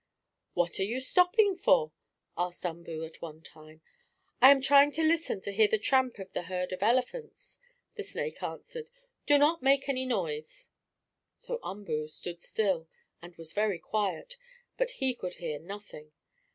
"What are you stopping for?" asked Umboo at one time. "I am trying to listen to hear the tramp of the herd of elephants," the snake answered. "Do not make any noise." So Umboo stood still, and was very quiet, but he could hear nothing.